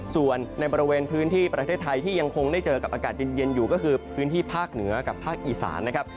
ส่วนในบริเวณพื้นที่ประเทศไทยที่ยังคงได้เจอกับอากาศเย็นอยู่ก็คือพื้นที่ภาคเหนือกับภาคอีสานนะครับ